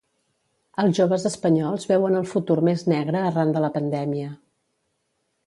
Els joves espanyols veuen el futur més negre arran de la pandèmia.